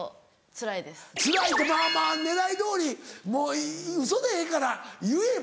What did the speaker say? つらいってまぁまぁ狙いどおりもうウソでええから言えば？